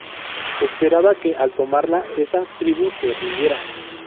Esperaba que al tomarla, esa tribu se rindiera.